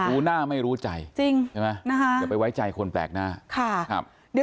รู้หน้าไม่รู้ใจจริงใช่ไหมนะคะอย่าไปไว้ใจคนแปลกหน้าค่ะครับเดี๋ยว